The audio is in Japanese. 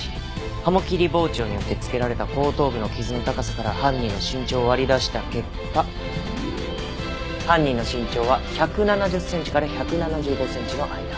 鱧切り包丁によってつけられた後頭部の傷の高さから犯人の身長を割り出した結果犯人の身長は１７０センチから１７５センチの間。